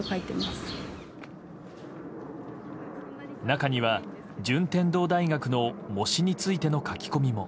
中には、順天堂大学の模試についての書き込みも。